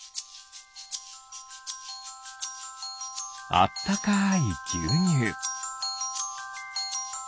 あったかいぎゅうにゅう。